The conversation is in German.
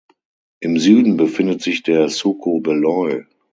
Im Süden befindet sich der Suco Beloi.